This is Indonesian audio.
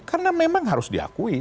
karena memang harus diakui